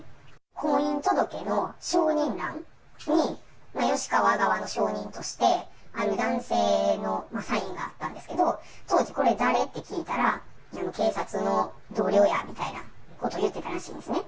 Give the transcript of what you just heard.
婚姻届の証人欄に、吉川側の証人として男性のサインがあったんですけれども、当時、これ誰？って聞いたら、警察の同僚やみたいなこと言ってたらしいんですね。